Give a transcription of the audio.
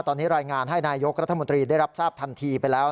ตอนนี้รายงานให้นายกรัฐมนตรีได้รับทราบทันทีไปแล้ว